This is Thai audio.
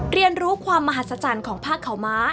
เรียนรู้ความมหาศาจรรย์ของภาคเขาม้า